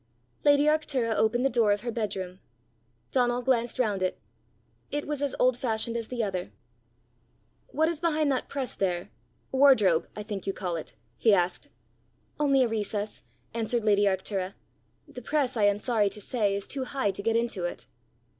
Lady Arctura opened the door of her bedroom. Donal glanced round it. It was as old fashioned as the other. "What is behind that press there wardrobe, I think you call it?" he asked. "Only a recess," answered lady Arctura. "The press, I am sorry to say, is too high to get into it."